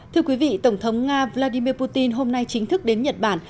thưa quý vị tổng thống nga vladimir putin hôm nay chính thức đến nhật bản